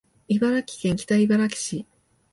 茨城県北茨城市